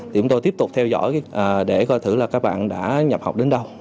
thì chúng tôi tiếp tục theo dõi để coi thử là các bạn đã nhập học đến đâu